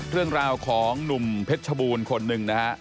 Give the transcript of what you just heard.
เรื่องราวของหนุ่มเพชรชบูรคนนึงนะครับ